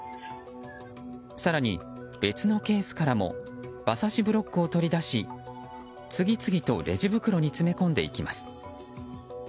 更に、別のケースからも馬刺しブロックを取り出し次々とレジ袋に詰め込んでいきます。